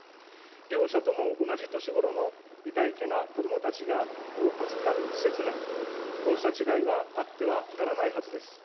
両者とも同じ年頃のいたいけな子どもたちを預かる施設なのに、こうした違いはあってはならないはずです。